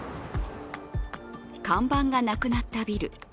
看板がなくなったビル。